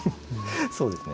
そうですね。